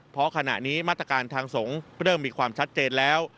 เพราะขณะนี้มาตรการทางสงฆ์เริ่มมีความชัดเจนแล้ว